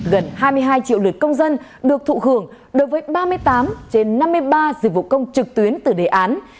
gần hai mươi hai triệu lượt công dân được thụ hưởng đối với ba mươi tám trên năm mươi ba dịch vụ công trực tuyến từ đề án